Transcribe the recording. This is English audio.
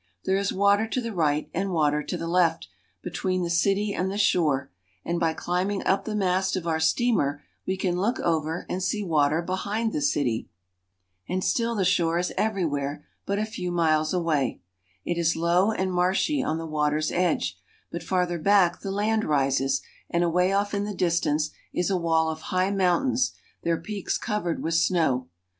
There is water to the right, and water to the left, between the city and the shore ; and by climbing up the mast of our steamer we can look over and see water behind the city. VENICE. 393 And still the shore is everywhere but a few miles away. It is low and marshy on the water's edge, but farther back; the land rises, and away off in the distance is a wall of high mountains, their peaks covered with snow.